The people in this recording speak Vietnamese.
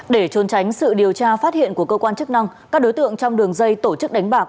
để trôn tránh sự điều tra phát hiện của cơ quan chức năng các đối tượng trong đường dây tổ chức đánh bạc